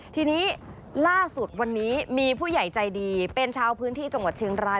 ทีนี้ล่าสุดวันนี้มีผู้ใหญ่ใจดีเป็นชาวพื้นที่จังหวัดเชียงราย